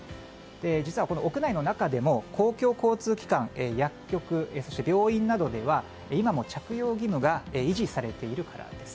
実は、屋内の中でも公共交通機関薬局、そして病院などでは今も着用義務が維持されているからです。